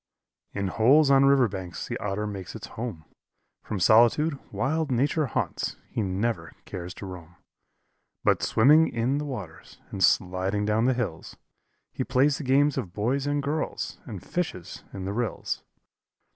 In holes on river banks the Otter makes his home; From solitude wild nature haunts he never cares to roam; But swimming in the waters and sliding down the hills, He plays the games of boys and girls, and fishes in the rills.